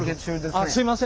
あっすいません。